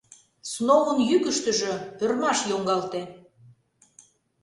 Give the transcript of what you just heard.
— Сноун йӱкыштыжӧ ӧрмаш йоҥгалте.